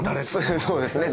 そうですね。